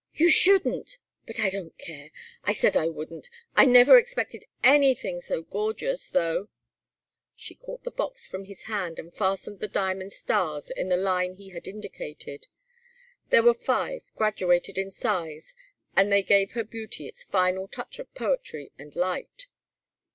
"You shouldn't! But I don't care! I said I wouldn't. I never expected anything so gorgeous, though " She caught the box from his hand and fastened the diamond stars in the line he had indicated. There were five, graduated in size, and they gave her beauty its final touch of poetry and light.